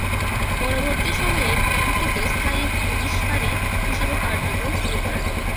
পরবর্তী সময়ে ক্যাম্পটিতে স্থায়ী পুলিশ ফাঁড়ি হিসেবে কার্যক্রম শুরু করা হয়।